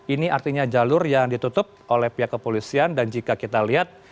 ini artinya jalur yang ditutup oleh pihak kepolisian dan jika kita lihat